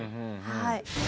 はい。